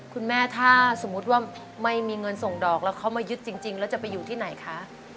คุณแม่ถ้าสมมุติว่าไม่มีเงินส่งดอกแล้วเขามายึดจริงแล้วจะไปอยู่ที่ไหนคะ